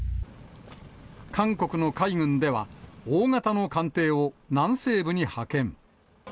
韓国の海軍では、大型の艦艇を南西部に派遣。